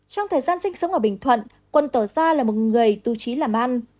trong thời gian sinh sống ở bình thuận quân tỏ ra là một người tu trí làm ăn